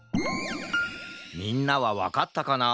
みんなはわかったかな？